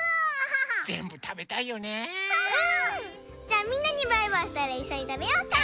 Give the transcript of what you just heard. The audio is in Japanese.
じゃあみんなにバイバイしたらいっしょにたべようか！